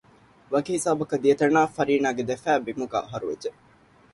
ވަކި ހިސާބަކަށް ދިޔަތަނާ ފަރީނާގެ ދެފައި ބިމުގައި ހަރުވެއްޖެ